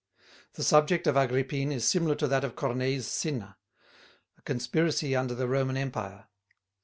The subject of Agrippine is similar to that of Corneille's Cinna a conspiracy under the Roman Empire.